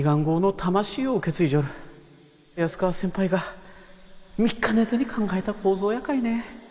安川先輩が３日寝ずに考えた構造やかいね。